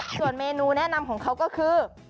ส่วนเมนูแนะนำของเขาก็คือ